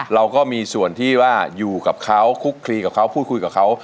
เราก็มีส่วนที่ว่าอยู่กับเขาคุกคลีกับเขาพูดคุยกับเขา